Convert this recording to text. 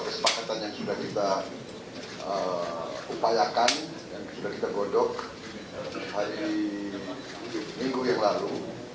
kesepakatan yang sudah kita upayakan dan sudah kita godok hari minggu yang lalu